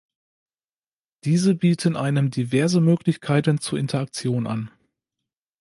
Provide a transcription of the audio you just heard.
Diese bieten einem diverse Möglichkeiten zur Interaktion an.